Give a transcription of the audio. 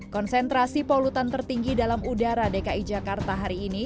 konsentrasi polutan tertinggi dalam udara dki jakarta hari ini